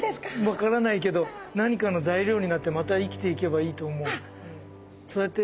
分からないけど何かの材料になってまた生きていけばいいと思う。